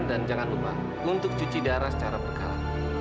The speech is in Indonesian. dan jangan lupa untuk cuci darah secara bekal